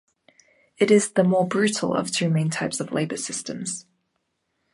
It is the more brutal of two main types of labor systems.